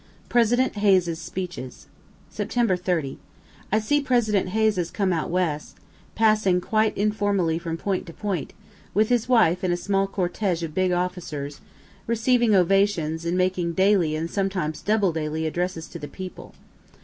PRESIDENT HAYES'S SPEECHES Sept. 30. I see President Hayes has come out West, passing quite informally from point to point, with his wife and a small cortege of big officers, receiving ovations, and making daily and sometimes double daily addresses to the people.